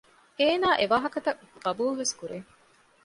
އޭނާ އެވާހަކަތައް ޤަބޫލުވެސް ކުރޭ